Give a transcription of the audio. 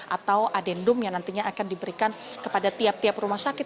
atau adendum yang nantinya akan diberikan kepada tiap tiap rumah sakit